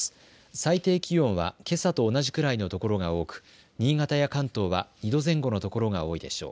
最低気温はけさと同じくらいのところが多く新潟や関東は２度前後のところが多いでしょう。